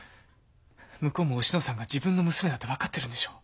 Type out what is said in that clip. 向こうもおしのさんが自分の娘だって分かってるんでしょう？